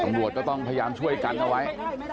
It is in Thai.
ตำรวจก็ต้องพยายามช่วยกันเอาไว้